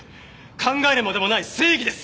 考えるまでもない正義です！